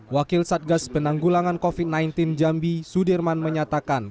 wakil satgas penanggulangan covid sembilan belas jambi sudirman menyatakan